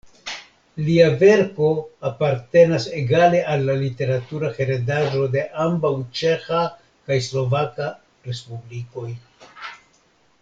Lia verko apartenas egale al la literatura heredaĵo de ambaŭ ĉeĥa kaj slovaka respublikoj.